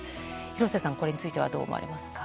廣瀬さん、これについてはどう思われますか。